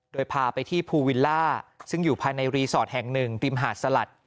โดยพาไปที่ภูวิลล่าซึ่งอยู่ภายในรีสอร์ทแห่งหนึ่งริมหาดสลัด